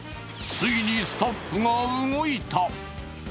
ついにスタッフが動いた。